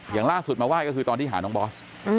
อย่างล่าสุดมาไหว้ก็คือตอนที่หาน้องบอส